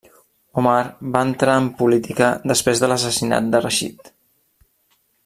Omar va entrar en política després de l'assassinat de Rashid.